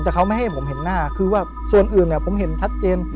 แต่เขาไม่ให้ผมเห็นหน้าคือว่าส่วนอื่นเนี่ยผมเห็นชัดเจน